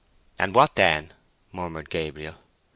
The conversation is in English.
"And what then?" murmured Gabriel.